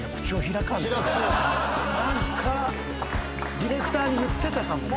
ディレクターに言ってたかもな。